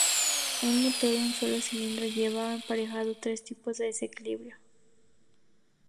Un motor de un solo cilindro lleva aparejado tres tipos de desequilibrio.